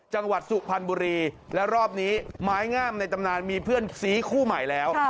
จังหวัดสุพรรณบุรีและรอบนี้ไม้งามในตำนานมีเพื่อนซีคู่ใหม่แล้ว